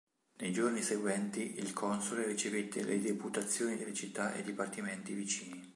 Nei giorni seguenti, il console ricevette le deputazioni delle città e dipartimenti vicini.